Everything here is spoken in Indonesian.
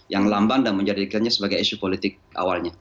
yang lamban dan menjadikannya sebagai isu politik awalnya